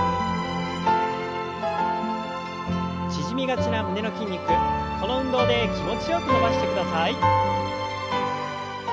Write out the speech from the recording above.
縮みがちな胸の筋肉この運動で気持ちよく伸ばしてください。